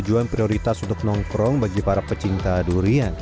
tujuan prioritas untuk nongkrong bagi para pecinta durian